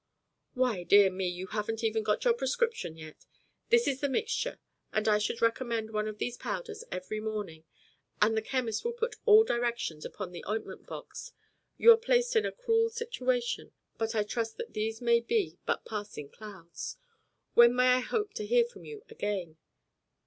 "Why, dear me, you haven't even got your prescription yet. This is the mixture, and I should recommend one of these powders every morning, and the chemist will put all directions upon the ointment box. You are placed in a cruel situation, but I trust that these may be but passing clouds. When may I hope to hear from you again?"